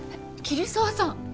桐沢さん。